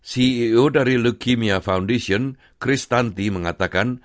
ceo dari leukemia foundation chris tanti mengatakan